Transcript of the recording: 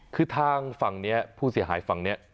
คือทางฝั่งนี้ผู้เสียหายฝั่งนี้